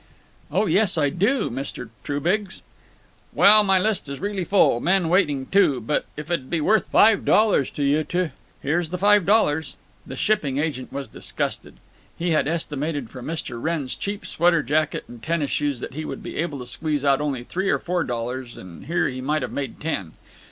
"Oh yes, I do, Mr. Trubiggs." "Well, my list is really full—men waiting, too—but if it 'd be worth five dollars to you to—" "Here's the five dollars." The shipping agent was disgusted. He had estimated from Mr. Wrenn's cheap sweater jacket and tennis shoes that he would be able to squeeze out only three or four dollars, and here he might have made ten.